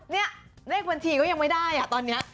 เนี่ยเลขบัญรถีก็ยังไม่ได้